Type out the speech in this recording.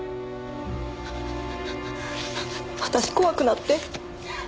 私怖くなって。